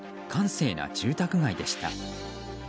閑静な住宅街でした。